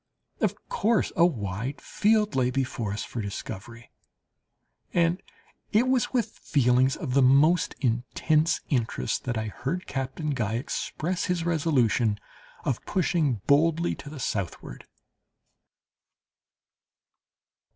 Of course a wide field lay before us for discovery, and it was with feelings of most intense interest that I heard Captain Guy express his resolution of pushing boldly to the southward.